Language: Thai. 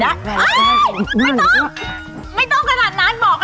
หออย่าอยากได้มากจริงอยาก